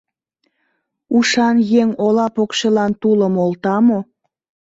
— Ушан еҥ ола покшелан тулым олта мо?